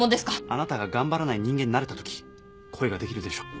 あなたが頑張らない人間になれたとき恋ができるでしょう。